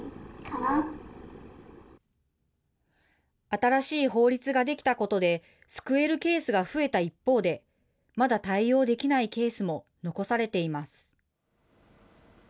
新しい法律が出来たことで、救えるケースが増えた一方で、まだ対応できないケースも残されています。